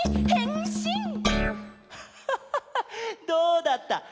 どうだった？